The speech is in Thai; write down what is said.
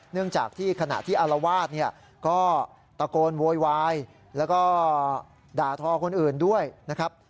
เนื่องจากที่ขณะที่อารวาสเนี่ยก็ตะโกนโวยวายแล้วก็ด่าทอคนอื่นด้วยนะครับ